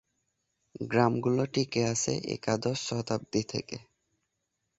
গ্রামগুলো টিকে আছে একাদশ শতাব্দী থেকে।